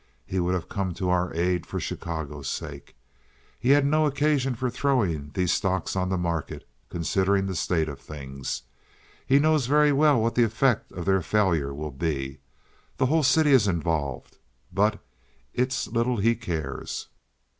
He would have come to our aid for Chicago's sake. He had no occasion for throwing these stocks on the market, considering the state of things. He knows very well what the effect of their failure will be. The whole city is involved, but it's little he cares.